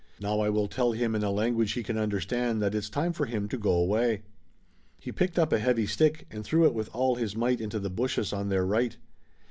Now, I will tell him in a language he can understand that it's time for him to go away." He picked up a heavy stick and threw it with all his might into the bushes on their right.